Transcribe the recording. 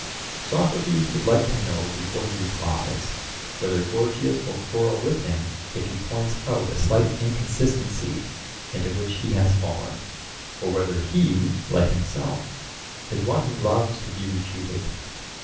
Socrates would like to know before he replies, whether Gorgias will quarrel with him if he points out a slight inconsistency into which he has fallen, or whether he, like himself, is one who loves to be refuted.